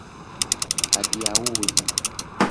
Adiaŭi?